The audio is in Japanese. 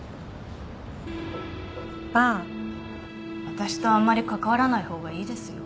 私とあんまり関わらない方がいいですよ。